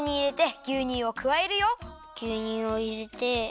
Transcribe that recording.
ぎゅうにゅうをいれて。